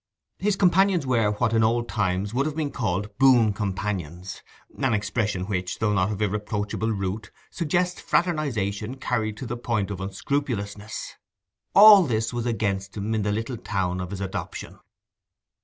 His companions were what in old times would have been called boon companions—an expression which, though of irreproachable root, suggests fraternization carried to the point of unscrupulousness. All this was against him in the little town of his adoption.